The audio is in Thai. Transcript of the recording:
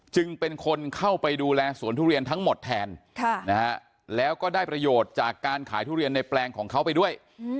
จึงเป็นคนเข้าไปดูแลสวนทุเรียนทั้งหมดแทนแล้วก็ได้ประโยชน์จากการขายทุเรียนในแปลงของเขาไปด้วย